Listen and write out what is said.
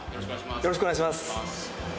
よろしくお願いします！